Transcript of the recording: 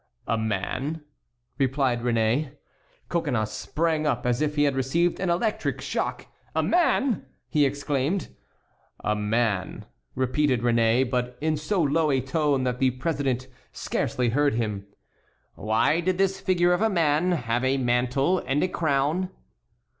"A man," replied Réné. Coconnas sprang up as if he had received an electric shock. "A man!" he exclaimed. "A man," repeated Réné, but in so low a tone that the president scarcely heard him. "Why did this figure of a man have on a mantle and a crown?"